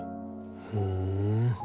ふん。